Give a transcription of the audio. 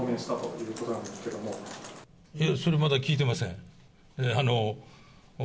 いや、それまだ聞いてません。